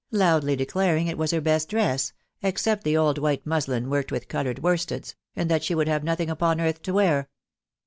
loudly declaring it was her best dress, except the eld white muslin worked with coloured 'worsteds, and that ahe would hare no thing upon earth to <w«ar.